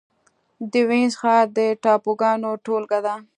د وينز ښار د ټاپوګانو ټولګه ده.